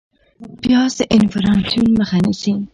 پیاز د انفلاسیون مخه نیسي